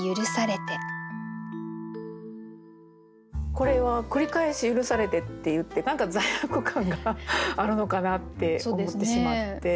これは「くりかえし赦されて」って言って何か罪悪感があるのかなって思ってしまって。